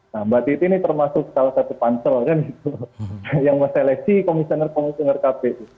nah mbak giti ini termasuk salah satu pancel kan yang mas seleksi komisioner komisioner kpu